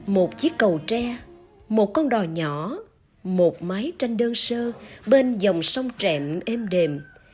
một chiếc cầu tre một con đò nhỏ một máy tranh đơn sơ bên dòng sông trẹm êm đềm